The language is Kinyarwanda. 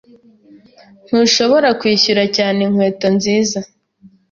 Ntushobora kwishyura cyane inkweto nziza.